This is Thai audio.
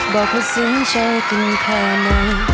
บอกว่าสินใจกันแค่ไหน